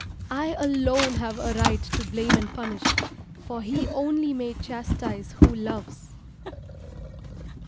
I alone have a right to blame and punish, for he only may chastise who loves.